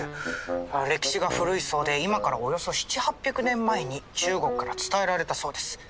歴史が古いそうで今からおよそ７００８００年前に中国から伝えられたそうです。